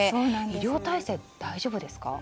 医療体制、大丈夫ですか？